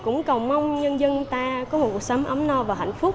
cũng cầu mong nhân dân ta có một cuộc sống ấm no và hạnh phúc